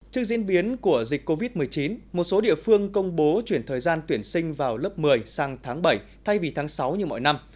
trước diễn biến của dịch covid một mươi chín một số địa phương công bố chuyển thời gian tuyển sinh vào lớp một mươi sang tháng bảy thay vì tháng sáu như mọi năm